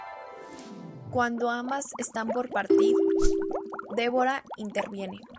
Cuando ambos están por partir, Deborah interviene.